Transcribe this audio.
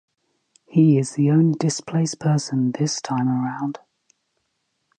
He is the only displaced person this time around.